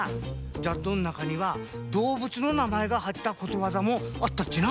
じゃどんなかにはどうぶつのなまえがはいったことわざもあったっちな。